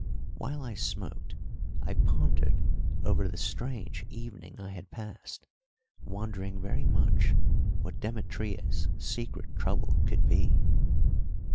While I smoked I pondered over the strange evening I had passed, wondering very much what Demetria's secret trouble could be.